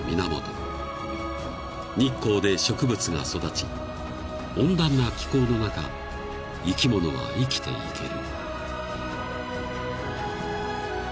［日光で植物が育ち温暖な気候の中生き物は生きていける］